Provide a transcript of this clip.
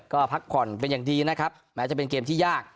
ก็พักผ่อนเป็นอย่างดีนะครับแม้จะเป็นเกมที่ยาก